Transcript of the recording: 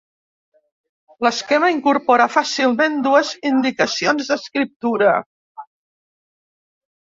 L'esquema incorpora fàcilment dues indicacions d'escriptura.